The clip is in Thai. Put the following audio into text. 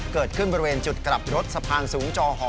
เกิดขึ้นบริเวณจุดกลับรถสะพานสูงจอหอ